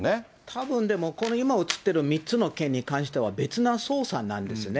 たぶんでも、この今映ってる３つの件に関しては、別な捜査なんですね。